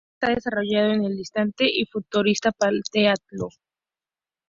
El juego está desarrollado en el distante y futurista planeta Io.